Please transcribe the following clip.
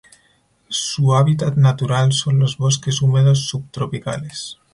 Su hábitat natural son los bosques húmedos subtropicales.